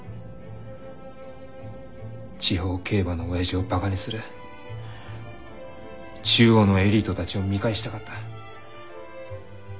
地方競馬の親父をバカにする中央のエリートたちを見返したかった。